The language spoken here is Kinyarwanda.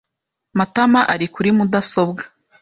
Matama ari kuri mudasobwa.